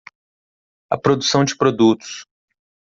A produção de produtos.